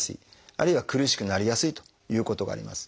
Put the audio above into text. あるいは苦しくなりやすいということがあります。